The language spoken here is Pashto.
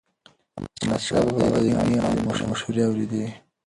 احمدشاه بابا به د دیني عالمانو مشورې اوريدي.